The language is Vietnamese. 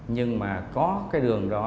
nhưng mà có cái đường đó